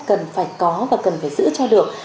cần phải có và cần phải giữ cho được